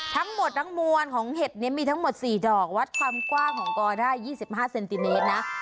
ทั้งหมดทั้งมวลของเห็ดนี้มีทั้งหมด๔ดอกวัดความกว้างของกอได้๒๕เซนติเมตรนะ